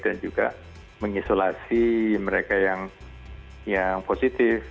dan juga mengisolasi mereka yang positif